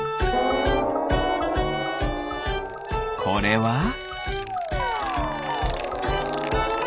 これは？